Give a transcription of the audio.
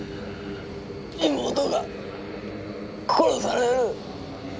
妹が殺される。